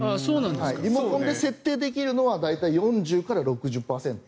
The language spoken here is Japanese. リモコンで設定できるのは大体４０から６０％。